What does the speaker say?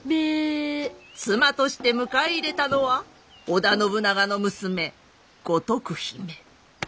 妻として迎え入れたのは織田信長の娘五徳姫。